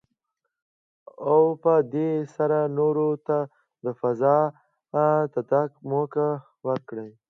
او په دې سره نورو ته فضا ته د تګ موکه ورکړي.